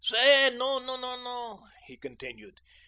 "Say, no, no," he continued.